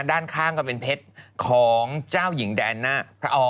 ด้านข้างก็เป็นเพชรของเจ้าหญิงแดนหน้าพระอ